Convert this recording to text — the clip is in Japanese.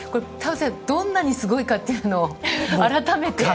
どんなにすごいかっていうのをあらためて。